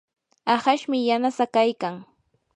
ahashmi yanasaa kaykan.